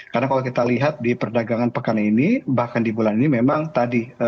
karena kalau kita lihat di perdagangan pekan ini bahkan di bulan ini memang tadi